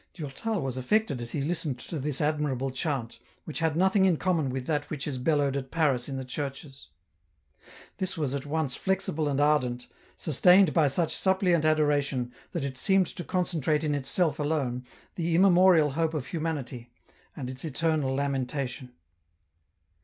Durtal was affected as he listened to this admirable chant, which had nothing in common with that which is bellowed at Paris in the churches. This was at once flexible and ardent, sustained by such suppliant adoration, that it seemed to concentrate in itself alone, the immemorial hope of humanity, and its eternal lamentation.